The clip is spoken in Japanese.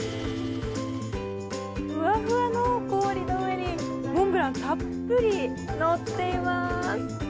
フワフワの氷の上にモンブランがたっぷりのっています。